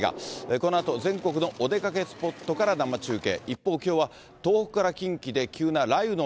このあと全国のお出かけスポットから生中継。